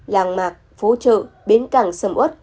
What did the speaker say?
làng mạc phố trợ bến cảng sầm út